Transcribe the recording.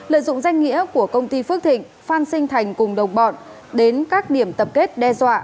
lợi dụng danh nghĩa của công ty phước thịnh phan sinh thành cùng đồng bọn đến các điểm tập kết đe dọa